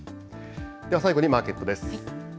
では、最後にマーケットです。